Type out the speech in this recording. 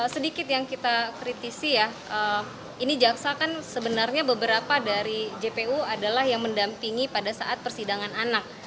sedikit yang kita kritisi ya ini jaksa kan sebenarnya beberapa dari jpu adalah yang mendampingi pada saat persidangan anak